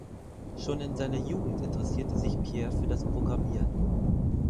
Schon in seiner Jugend interessierte sich Pierre für das Programmieren.